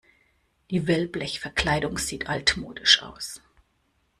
Die Wellblechverkleidung sieht altmodisch aus.